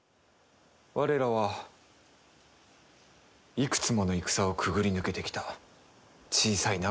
我らはいくつもの戦をくぐり抜けてきた小さいながらも固い固い一丸。